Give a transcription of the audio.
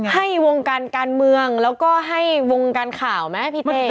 ให้วงการการเมืองแล้วก็ให้วงการข่าวไหมพี่เต้